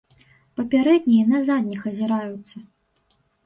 Папярэднія на задніх азіраюцца.